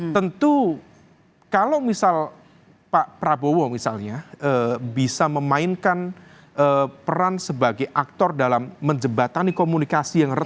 tentu kalau misal pak prabowo misalnya bisa memainkan peran sebagai aktor dalam menjebatani komunikasi yang resmi